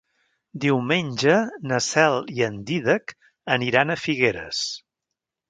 Diumenge na Cel i en Dídac aniran a Figueres.